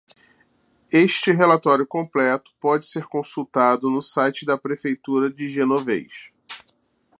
Este relatório completo pode ser consultado no site da Prefeitura de Genovés.